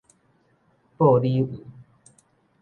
報你焐